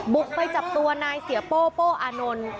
บุกไปจับตัวนายเสียโป้โป้อานนท์